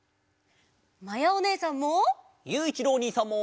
まやおねえさんも。